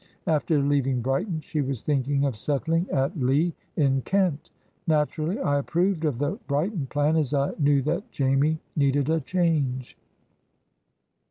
After leaving Brighton she was thinking of settling at Lee, in Kent. Naturally, I approved of the Brighton plan, as I knew that Jamie needed a change."